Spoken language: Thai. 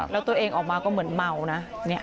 แล้วตัวเองออกมาก็เหมือนเมานะ